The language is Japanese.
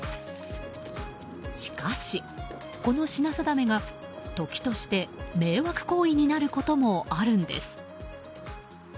しかし、この品定めが時として迷惑行為になることもあるんです。